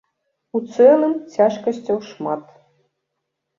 У цэлым, цяжкасцяў шмат.